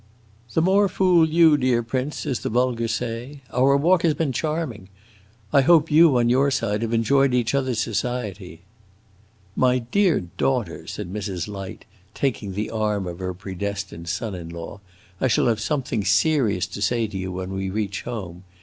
"The more fool you, dear prince, as the vulgar say! Our walk has been charming. I hope you, on your side, have enjoyed each other's society." "My dear daughter," said Mrs. Light, taking the arm of her predestined son in law, "I shall have something serious to say to you when we reach home.